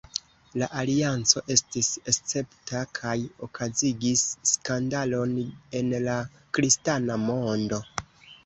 La alianco estis escepta, kaj okazigis skandalon en la kristana mondo.